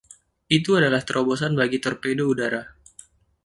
Itu adalah terobosan bagi torpedo udara.